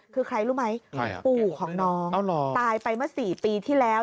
คือใครรู้ไหมปู่ของน้องตายไปเมื่อ๔ปีที่แล้ว